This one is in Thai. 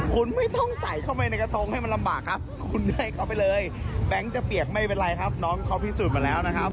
คุณไม่ต้องใส่เข้าไปในกระทงให้มันลำบากครับคุณให้เขาไปเลยแบงค์จะเปียกไม่เป็นไรครับน้องเขาพิสูจน์มาแล้วนะครับ